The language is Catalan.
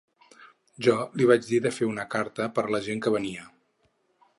Jo li vaig dir de fer una carta per a la gent que venia.